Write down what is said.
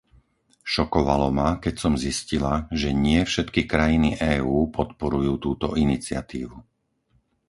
Šokovalo ma, keď som zistila, že nie všetky krajiny EÚ podporujú túto iniciatívu.